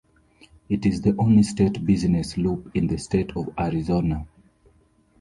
It is the only state business loop in the state of Arizona.